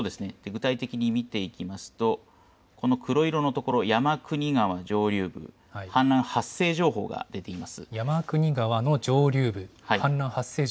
具体的に見ていきますと、この黒色の所、やまくに川上流部、氾濫発生情報が出ています。